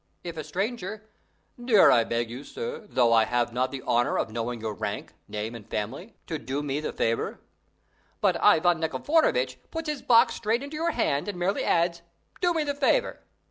if a stranger, "Dare I beg you, sir, though I have not the honour of knowing your rank, name, and family, to do me the favour?" but Ivan Nikiforovitch puts his box straight into your hand and merely adds, "Do me the favour."